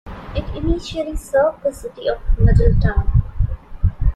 It initially served the city of Middletown.